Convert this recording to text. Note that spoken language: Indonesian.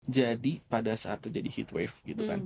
jadi pada saat itu jadi heatwave gitu kan